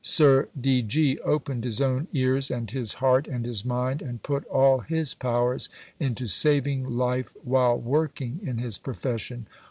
Sir D. G. opened his own ears and his heart and his mind, and put all his powers into saving life while working in his profession."